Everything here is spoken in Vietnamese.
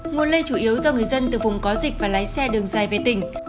nguồn lây chủ yếu do người dân từ vùng có dịch và lái xe đường dài về tỉnh